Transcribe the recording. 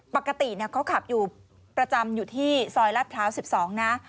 ปกติเขาขับประจำอยู่ที่ซอยลัดเท้า๑๒